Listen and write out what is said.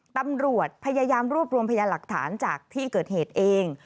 ตำรวจพยายามรวบรวมพยานหลักฐานจากที่เกิดเหตุเอง